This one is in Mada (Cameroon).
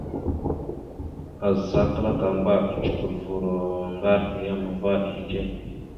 Azza kǝlakamba, ocǝkulvurro ngar a yam va ehindze.